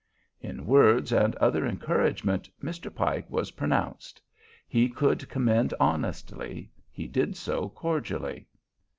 In words and other encouragement Mr. Pike was pronounced. He could commend honestly, and he did so cordially.